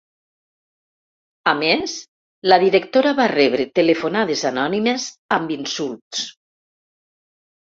A més, la directora va rebre telefonades anònimes amb insults.